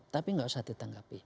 tapi tidak usah ditangkapi